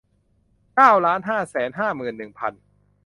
เก้าล้านห้าแสนห้าหมื่นหนึ่งพัน